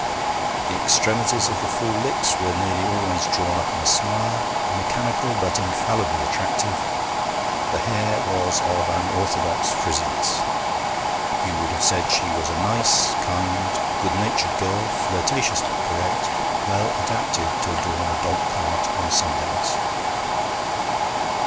The extremities of the full lips were nearly always drawn up in a smile, mechanical, but infallibly attractive. The hair was of an orthodox frizziness. You would have said she was a nice, kind, good natured girl, flirtatious but correct, well adapted to adorn a dogcart on Sundays.